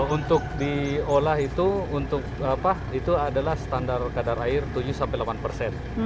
untuk diolah itu untuk apa itu adalah standar kadar air tujuh sampai delapan persen